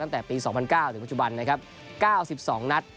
ตั้งแต่ปีสองพันเก้าถึงปัจจุบันนะครับเก้าสิบสองนัด